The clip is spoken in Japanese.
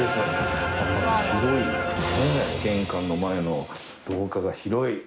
広い玄関の前の廊下が広い。